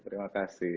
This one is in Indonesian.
oke terima kasih